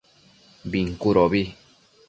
Bincudobi